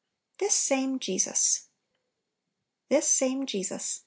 "THIS SAME JESUS." "This same Jesus."